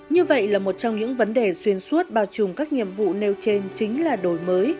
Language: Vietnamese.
như vậy là một trong những vấn đề xuyên suốt bao trùm các nhiệm vụ nêu trên chính là đổi mới